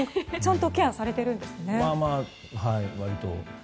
ちゃんとケアされているんですね。